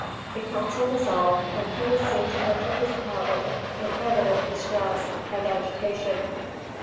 ] The council dissolved, and he was seen to enter his cabin in evident distress and agitation.